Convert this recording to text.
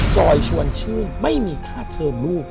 จอยชวนชื่นไม่มีค่าเทิมลูก